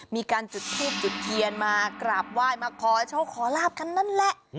มีการจุดทูบจุดเทียนมากราบไหว้มาขอโชคขอลาบกันนั่นแหละ